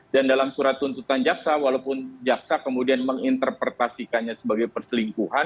dan dalam surat tuntutan jaksa walaupun jaksa kemudian menginterpretasikannya sebagai perselingkuhan